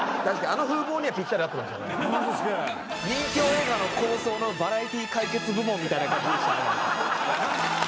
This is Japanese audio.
任侠映画の抗争のバラエティ解決部門みたいな感じでしたね。